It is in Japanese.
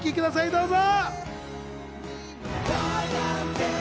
どうぞ！